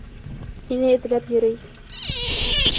Һине эҙләп йөрөй.